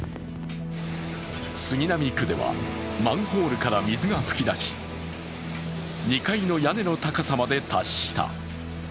杉並区では、マンホールから水が噴き出し２階の屋根の高さまで達した。